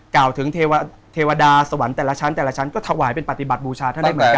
กล่าวถึงเทวดาสวรรค์แต่ละชั้นแต่ละชั้นก็ถวายเป็นปฏิบัติบูชาท่านได้เหมือนกัน